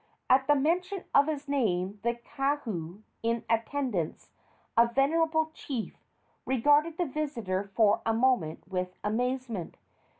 At the mention of his name the kahu in attendance, a venerable chief, regarded the visitor for a moment with amazement.